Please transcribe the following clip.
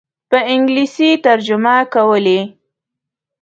په انګلیسي ترجمه کولې.